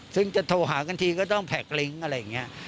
ซึ่งจะโทรหากันทีก็ต้องแท็กลิงก์อะไรอย่างนี้